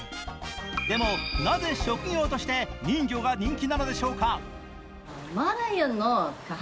でも、なぜ職業として人魚が人気なのでしょうか。